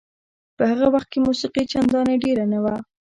په هغه وخت کې موسیقي چندانې ډېره نه وه.